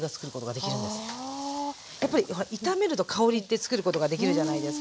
やっぱりほら炒めると香りってつくることができるじゃないですか。